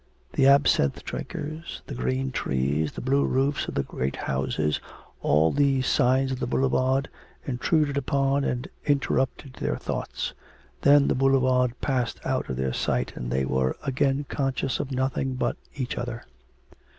The absinthe drinkers, the green trees, the blue roofs of the great houses, all these signs of the boulevard, intruded upon and interrupted their thoughts; then the boulevard passed out of their sight and they were again conscious of nothing but each other.